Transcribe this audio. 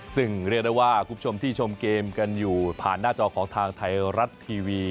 ซึ่งเรียกได้ว่าคุณผู้ชมที่ชมเกมกันอยู่ผ่านหน้าจอของทางไทยรัฐทีวี